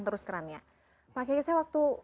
terus kerannya pak kekisah waktu